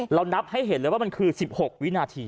เรานับให้เห็นเลยว่ามันคือ๑๖วินาที